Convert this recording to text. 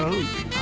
あ？